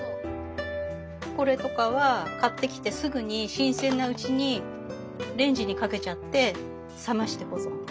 これとかは買ってきてすぐに新鮮なうちにレンジにかけちゃって冷まして保存。